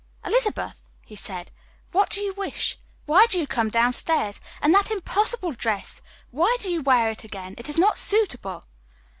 "Elizabeth!" he said, "what do you wish? Why do you come downstairs? And that impossible dress! Why do you wear it again? It is not suitable."